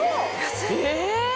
え！